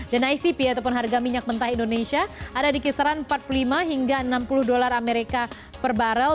dan icp yaitupun harga minyak mentah indonesia ada di kisaran empat puluh lima hingga enam puluh dolar amerika per barrel